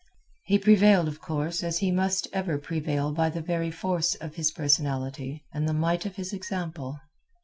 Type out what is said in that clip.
He prevailed of course as he must ever prevail by the very force of his personality and the might of his example.